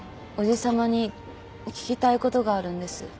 おじさまに聞きたいことがあるんです。